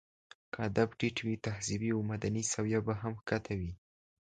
که ادب ټيت وي، تهذيبي او مدني سويه به هم ښکته وي.